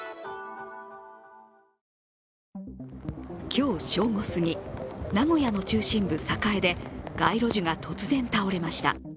今日正午すぎ、名古屋の中心部栄で街路樹が突然、倒れました。